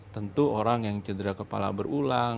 tentu orang yang cedera kepala berulang